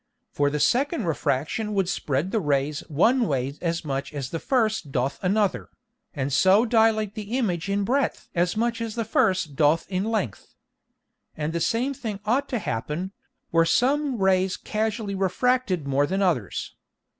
For the second Refraction would spread the Rays one way as much as the first doth another, and so dilate the Image in breadth as much as the first doth in length. And the same thing ought to happen, were some rays casually refracted more than others.